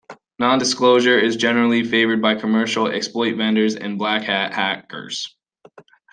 Non disclosure is generally favoured by commercial exploit vendors and blackhat hackers.